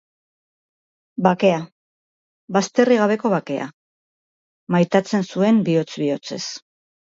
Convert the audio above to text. Bakea, bazterrik gabeko bakea, maitatzen zuen bihotz-bihotzez.